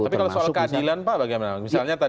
tapi kalau soal keadilan pak bagaimana